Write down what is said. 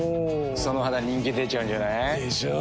その肌人気出ちゃうんじゃない？でしょう。